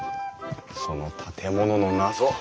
その建物の謎